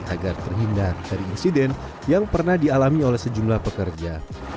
agar terhindar dari insiden yang pernah dialami oleh sejumlah pekerja